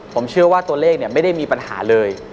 ผมเชื่อว่าตัวเลขไม่ได้มีปัญหาเลย